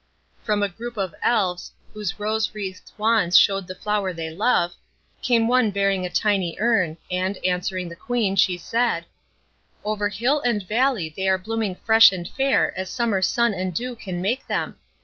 From a group of Elves, whose rose wreathed wands showed the flower they loved, came one bearing a tiny urn, and, answering the Queen, she said,— "Over hill and valley they are blooming fresh and fair as summer sun and dew can make them.